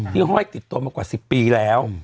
ที่เขาให้ติดตัวมากว่า๑๐ปีแล้ว